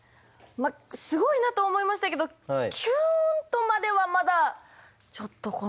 すごいなとは思いましたけどキュンとまではまだちょっと来ないかな。